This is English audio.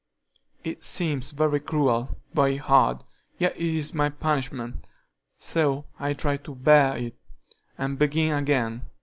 It seems very cruel, very hard, yet it is my punishment, so I try to bear it, and begin again.